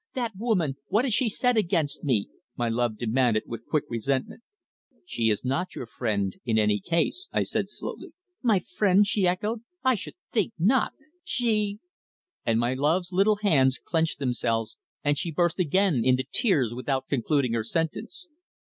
"That woman! What has she said against me?" my love demanded with quick resentment. "She is not your friend, in any case," I said slowly. "My friend!" she echoed. "I should think not. She " And my love's little hands clenched themselves and she burst again into tears without concluding her sentence.